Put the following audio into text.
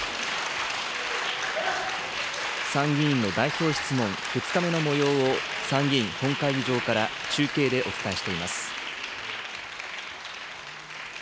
参議院の代表質問、２日目のもようを参議院本会議場から中継でお伝えしています。